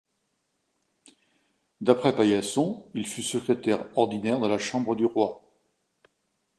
D'après Paillasson, il fut secrétaire ordinaire de la Chambre du Roi.